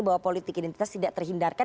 bahwa politik identitas tidak terhindarkan